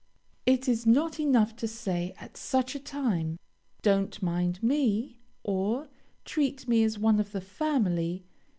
It is not enough to say, at such a time, "Don't mind me," or, "Treat me as one of the family."